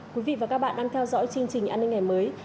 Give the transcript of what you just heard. quý vị và các bạn đang theo dõi chương trình an ninh ngày mới